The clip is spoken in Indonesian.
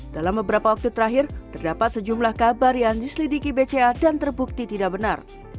dalam beberapa waktu terakhir terdapat sejumlah kabar yang diselidiki bca dan terbukti tidak benar